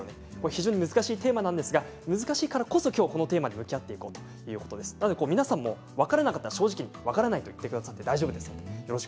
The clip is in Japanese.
非常に難しいテーマなんですが難しいからこそこのテーマに向き合っていこうと皆さんも分からなかったら正直に分からないと言っていただいて大丈夫です。